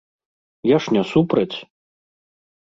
Я ж не супраць!